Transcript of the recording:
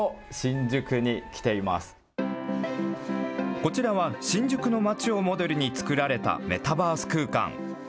こちらは、新宿の街をモデルに作られたメタバース空間。